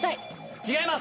違います。